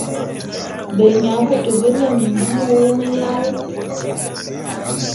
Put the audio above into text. Benyabôtô bé ne mimbu mewôm lal.